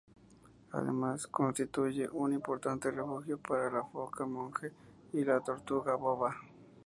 Además, constituye, un importante refugio para la foca monje y la tortuga boba.